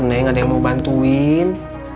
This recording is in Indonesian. neng ada yang mau bantuin